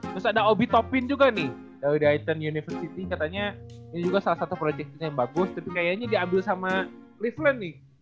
terus ada obi topin juga nih dari iton university katanya ini juga salah satu project yang bagus tapi kayaknya diambil sama liveland nih